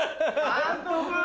監督。